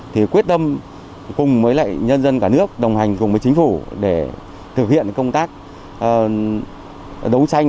thì quyết tâm cùng với lại nhân dân cả nước đồng hành cùng với chính phủ để thực hiện công tác đấu tranh